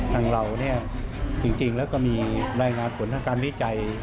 ทางเราเนี่ยจริงแล้วก็มีรายงานผลทางการวิจัย